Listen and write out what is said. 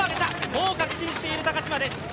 もう確信している高島です。